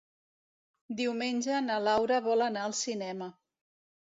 Diumenge na Laura vol anar al cinema.